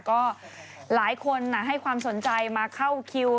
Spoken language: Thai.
ก็หลายคนให้ความสนใจมาเข้าคิว